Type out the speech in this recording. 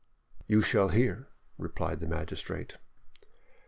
"You shall hear," replied the magistrate.